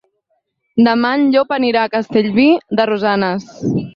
Demà en Llop anirà a Castellví de Rosanes.